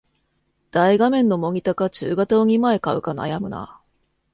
大画面のモニタか中型を二枚買うか悩むな